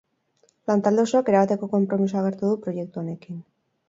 Lantalde osoak erabateko konpromisoa agertu du proiektu honekin.